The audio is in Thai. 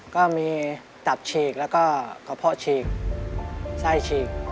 ก็มีตับฉีกแล้วก็กระเพาะฉีกไส้ฉีก